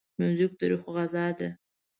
موزیک د روح غذا ده.